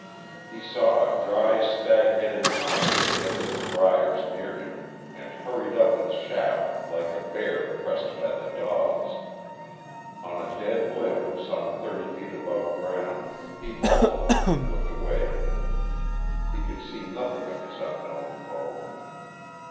He saw a dry, stag headed pine in the edge of the briers near him and hurried up its shaft like a bear pressed by the dogs. On a dead limb, some thirty feet above ground, he halted and looked away. He could see nothing of his unknown foe.